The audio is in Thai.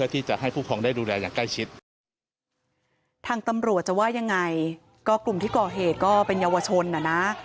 ทางตำรวจจะว่ายังไงกลุ่มที่ก่อเหตุก็เป็นเยาวชนนะ